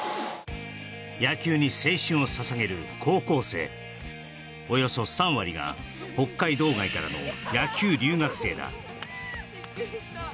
野球に青春をささげる高校生およそ３割が北海道外からの野球留学生だ